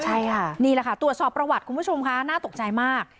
ใช่ค่ะนี่แหละค่ะตรวจสอบประวัติคุณผู้ชมค่ะน่าตกใจมาก